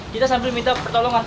kita sambil minta pertolongan